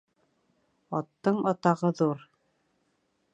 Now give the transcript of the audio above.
Аттың атағы ҙур.